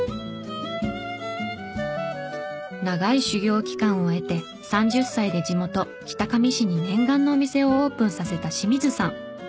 長い修業期間を経て３０歳で地元北上市に念願のお店をオープンさせた清水さん。